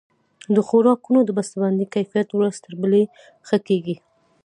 د خوراکونو د بسته بندۍ کیفیت ورځ تر بلې ښه کیږي.